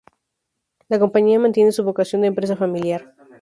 La compañía mantiene su vocación de empresa familiar.